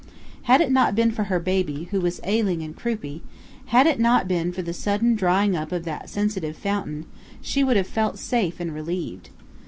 Had it not been for her baby, who was ailing and croupy, had it not been for the sudden drying up of that sensitive fountain, she would have felt safe and relieved.